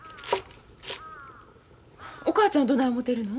お母ちゃんどない思てるの？